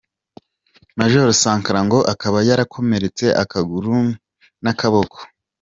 Major Sankara ngo akaba yarakomeretse akaguru n’akabako.